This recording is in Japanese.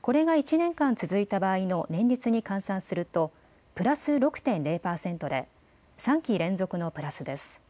これが１年間続いた場合の年率に換算するとプラス６．０％で３期連続のプラスです。